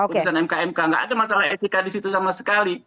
urusan mkmk nggak ada masalah etika di situ sama sekali